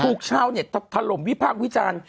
ภูเขาเนี่ยทะลมวิพากษ์วิจารณ์